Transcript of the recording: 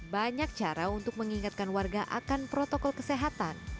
banyak cara untuk mengingatkan warga akan protokol kesehatan